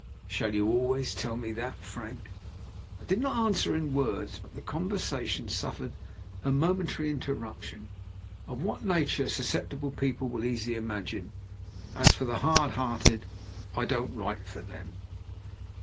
"Shall you always tell me that, Frank?" I did not answer in words, but the conversation suffered a momentary interruption. Of what nature, susceptible people will easily imagine. As for the hard hearted I don't write for them.